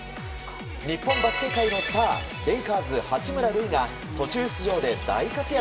日本バスケ界のスターレイカーズ、八村塁が途中出場で大活躍。